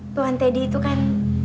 tuan teddy itu kan